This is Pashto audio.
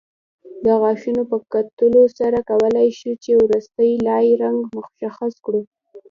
د غاښونو په کتلو سره کولای شو چې وروستۍ لایې رنګ مشخص کړو